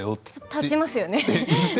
立ちますよね。